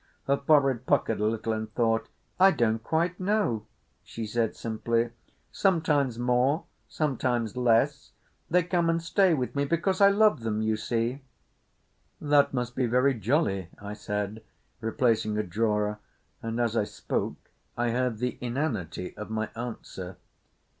Her forehead puckered a little in thought. "I don't quite know," she said simply. "Sometimes more—sometimes less. They come and stay with me because I love them, you see." "That must be very jolly," I said, replacing a drawer, and as I spoke I heard the inanity of my answer.